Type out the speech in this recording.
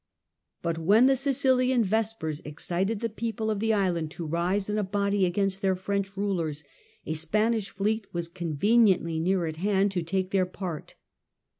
But when the SiciHan Vespers excited the people of the island to rise in a body against their French rulers, a Spanish fleet was con veniently near at hand to take their part.